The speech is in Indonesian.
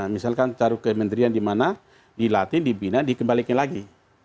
misalkan taruh kementerian di mana dilatih dibina dikembalikan lagi